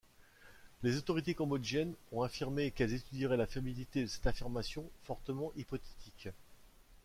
Les autorités cambodgiennes ont affirmé qu'elles étudieraient la fiabilité de cette affirmation fortement hypothétique.